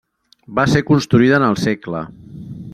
Va ser construïda en el segle.